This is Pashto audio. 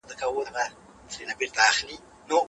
په قلم خط لیکل د خوبونو د تعبیرولو لاره ده.